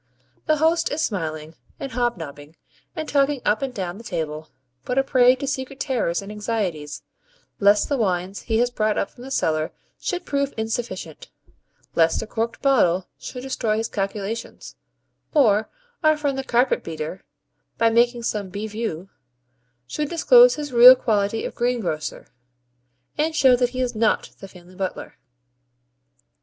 The host is smiling, and hob nobbing, and talking up and down the table; but a prey to secret terrors and anxieties, lest the wines he has brought up from the cellar should prove insufficient; lest a corked bottle should destroy his calculations; or our friend the carpet beater, by making some BEVUE, should disclose his real quality of greengrocer, and show that he is not the family butler.